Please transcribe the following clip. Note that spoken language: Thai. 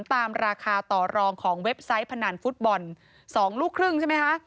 ตามราคาต่อรองของเว็บไซต์พนันฟุตบอล๒ลูกครึ่งใช่ไหมคะ